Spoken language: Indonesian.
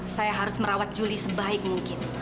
saya harus merawat juli sebaik mungkin